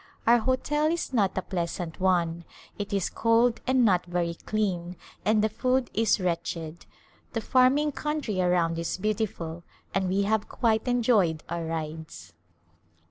Our hotel is not a pleasant one ; ft is cold and not very clean and the food is wretched. The farming country around is beautiful and we have quite enjoyed our rides.